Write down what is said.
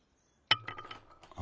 あ？